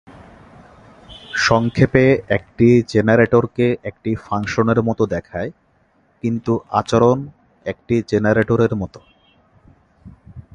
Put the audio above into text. সংক্ষেপে, একটি জেনারেটরকে একটি ফাংশনের মত দেখায় কিন্তু "আচরণ" একটি জেনারেটরের মত।